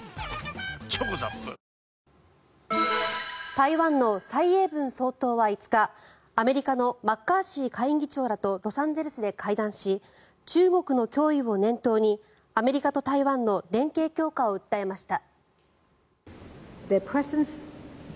台湾の蔡英文総統は５日アメリカのマッカーシー下院議長らとロサンゼルスで会談し中国の脅威を念頭にアメリカと台湾の連携強化を訴えました。